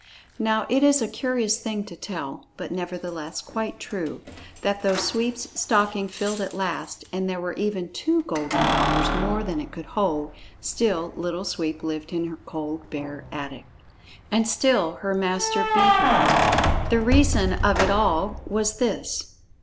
Now it is a curious thing to tell, but nevertheless quite true, that though Sweep's stocking filled at last, and there were even two golden dollars more than it could hold, still Little Sweep lived in her cold bare attic. And still her master beat her. The reason of it all was this.